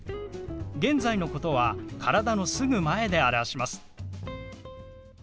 現在のことは体のすぐ前で表します。